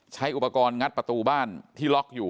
ใช้อุปกรณ์งัดประตูบ้านที่ล็อกอยู่